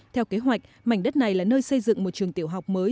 theo kế hoạch mảnh đất này là nơi xây dựng một trường tiểu học mới